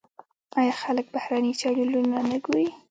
آیا خلک بهرني چینلونه نه ګوري؟